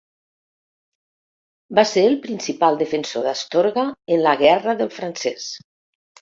Va ser el principal defensor d'Astorga en la guerra del francès.